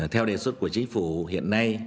theo đề xuất của chính phủ hiện nay